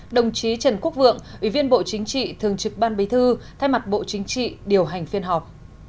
đồng chí trần quốc vượng ủy viên bộ chính trị thường trực ban bí thư thay mặt bộ chính trị điều hành phiên họp